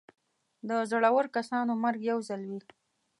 د زړور کسانو مرګ یو ځل وي.